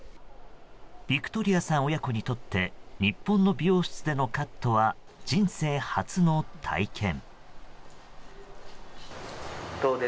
ビクトリアさん親子にとって日本の美容室でのカットは人生初の体験。